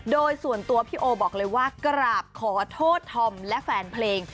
โดยส่วนตัวพี่โอบอกเลยว่ากราบขอโทษธอมและแฟนเพลง